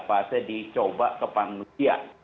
fase dicoba kepanusiaan